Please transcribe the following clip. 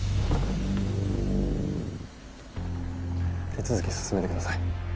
手続き進めてください。